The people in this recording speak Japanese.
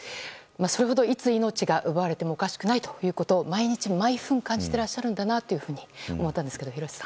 それほど、いつ命が奪われてもおかしくないということを毎日、毎分感じていらっしゃるんだなと思ったんですが。